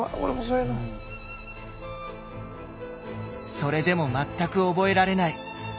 それでも全く覚えられない。